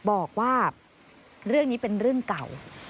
บอกว่าเรื่องนี้เป็นเรื่องเก่า